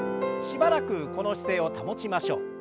しばらくこの姿勢を保ちましょう。